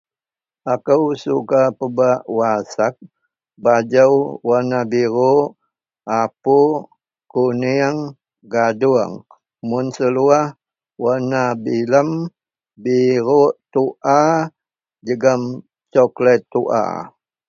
Akou suka pebak wasep bajou warna biruk, apuk, kunieng, gaduong. Mun seluwah warna bilem, biruk tua jegem coklat tua